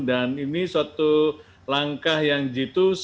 dan ini suatu langkah yang jitus